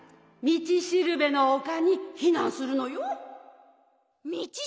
みちしるべのおかにひなんするんだった。